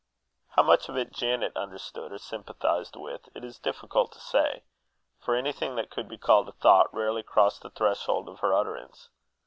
How much of it Janet understood or sympathized with, it is difficult to say; for anything that could be called a thought rarely crossed the threshold of her utterance.